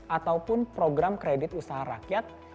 ataupun program kredit usaha rakyat